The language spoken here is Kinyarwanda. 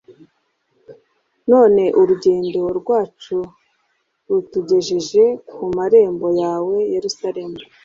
none urugendo rwacu rutugejeje ku marembo yawe, yeruzalemu